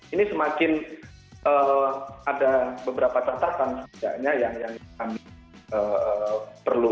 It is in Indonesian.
ini semakin ada beberapa catatan yang perlu